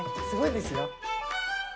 すごいですよ。